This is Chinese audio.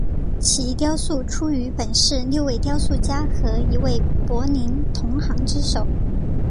其雕塑出于本市六位雕塑家和一位柏林同行之手。